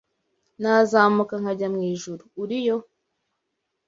Nazamuka nkajya mu ijuru, uri yo.